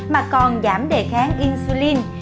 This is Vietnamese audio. mà còn giảm đề kháng insulin